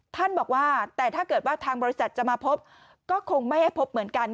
ท่านบอกว่าแต่ถ้าเกิดว่าทางบริษัทจะมาพบก็คงไม่ให้พบเหมือนกัน